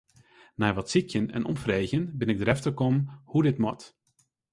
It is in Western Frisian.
Nei wat sykjen en omfreegjen bin ik derefter kommen hoe't dit moat.